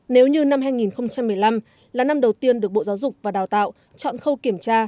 nếu như năm hai nghìn một mươi năm là năm đầu tiên được bộ giáo dục và đào tạo chọn khâu kiểm tra